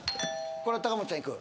これは高本ちゃんいく？